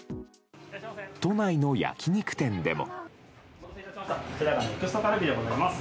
都内の焼き肉店でも。